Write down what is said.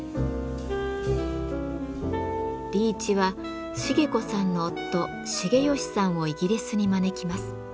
リーチは茂子さんの夫・茂良さんをイギリスに招きます。